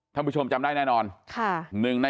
ท่านผู้ชมจำได้แน่นอนค่ะหนึ่งใน